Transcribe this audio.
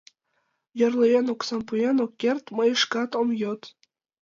Йорло еҥ оксам пуэн ок керт, мый шкат ом йод.